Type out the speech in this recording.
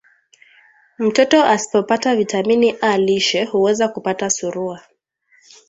mtoto asipopata vita mini A lishe huweza kupata surua